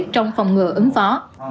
trong phòng ngừa ứng phó